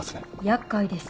厄介です。